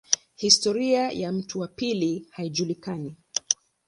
Historia ya mto wa pili haijulikani.